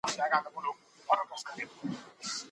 عدالت د ایمان بنسټیزه برخه ده.